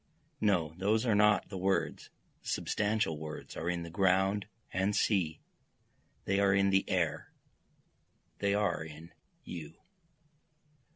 No, those are not the words, the substantial words are in the ground and sea, They are in the air, they are in you.